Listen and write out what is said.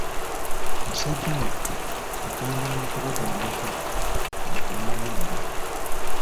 Musajja wattu yakandanga kubagambako, nga tebamuwulira.